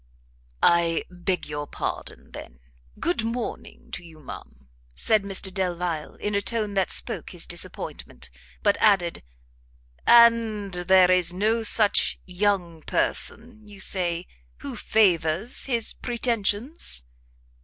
"I beg your pardon, then; good morning to you, ma'am," said Mr Delvile, in a tone that spoke his disappointment; but added "And there is no such young person, you say, who favours his pretensions?"